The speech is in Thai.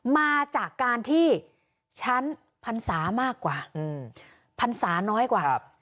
มาจากการที่ชั้นพรรษามากกว่าพรรษาน้อยกว่า